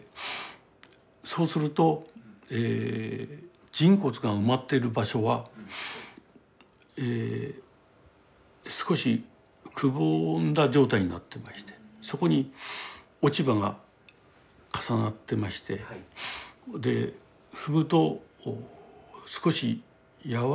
そうすると人骨が埋まっている場所は少しくぼんだ状態になってましてそこに落ち葉が重なってまして踏むと少し柔らかいんですね。